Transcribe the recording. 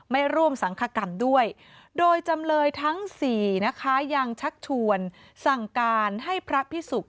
ไม่ร่วมสังคกรรมด้วยโดยจำเลยทั้งสี่นะคะยังชักชวนสั่งการให้พระพิสุก